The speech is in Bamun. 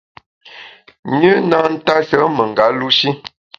Nyü na ntashe menga lu shi.